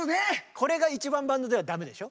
これが一番バンドではダメでしょ？